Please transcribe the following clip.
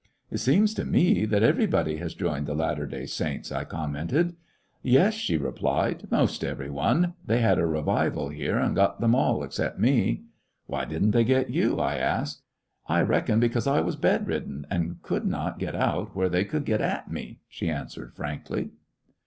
"It seems to me that everybody has joined the Latter day Saints," I commented. "Yes," she replied, "'most every one. They had a revival here, and got them all except me." "Why did n't they get you! " I asked. "I reckon because I was bedridden and could not get out where they could get at me," she answered frankly.